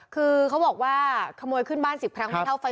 คือเขาบอกว่าขโมยขึ้นบ้าน๑๐ครั้งไม่เท่าไฟ